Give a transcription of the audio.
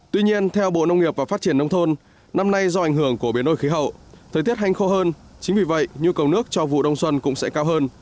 tuy nhiên theo bộ nông nghiệp và phát triển nông thôn năm nay do ảnh hưởng của biến đổi khí hậu thời tiết hành khô hơn chính vì vậy nhu cầu nước cho vụ đông xuân cũng sẽ cao hơn